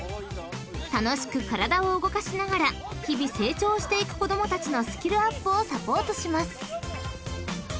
［楽しく体を動かしながら日々成長していく子供たちのスキルアップをサポートします］